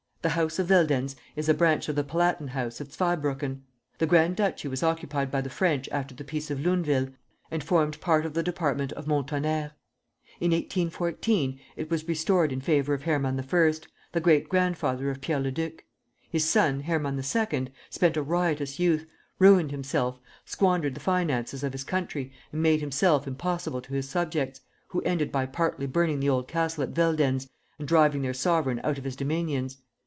The house of Veldenz is a branch of the Palatine house of Zweibrucken. The grand duchy was occupied by the French after the peace of Luneville and formed part of the department of Mont Tonnerre. In 1814, it was restored in favor of Hermann I., the great grandfather of Pierre Leduc. His son, Hermann II., spent a riotous youth, ruined himself, squandered the finances of his country and made himself impossible to his subjects, who ended by partly burning the old castle at Veldenz and driving their sovereign out of his dominions.